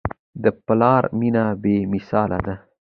د پلار مینه بېمثاله ده.